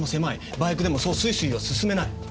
バイクでもそうスイスイは進めない。